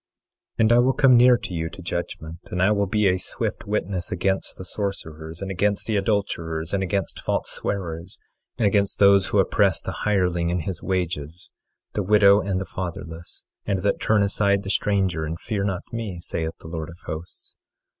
24:5 And I will come near to you to judgment; and I will be a swift witness against the sorcerers, and against the adulterers, and against false swearers, and against those that oppress the hireling in his wages, the widow and the fatherless, and that turn aside the stranger, and fear not me, saith the Lord of Hosts.